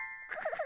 フフ！